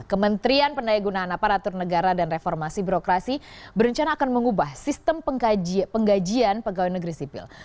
kementerian pendaya gunaan aparatur negara dan reformasi birokrasi berencana akan mengubah sistem penggajian pegawai negeri sipil